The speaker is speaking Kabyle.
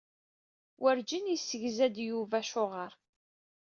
Werǧin yessegza-d Yuba acuɣeṛ.